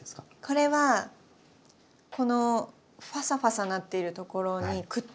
これはこのファサファサなっているところにくっつく。